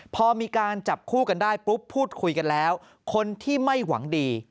พอมีการจับคู่กันได้ปุ๊บพูดคุยกันแล้วคนที่ไม่หวังดี